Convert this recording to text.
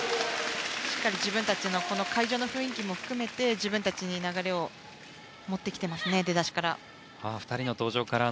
しっかり会場の雰囲気も含めて自分たちに流れを持ってきていますね出だしから。